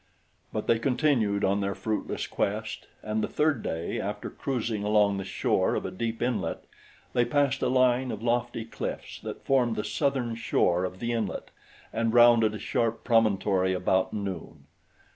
But they continued on their fruitless quest, and the third day, after cruising along the shore of a deep inlet, they passed a line of lofty cliffs that formed the southern shore of the inlet and rounded a sharp promontory about noon.